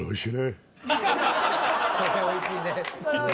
「これ美味しいね」。